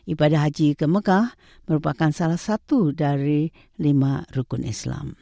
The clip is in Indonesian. ibadah haji ke mekah merupakan salah satu dari lima rukun islam